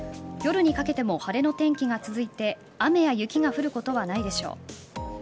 夜にかけても晴れの天気が続いて雨や雪が降ることはないでしょう。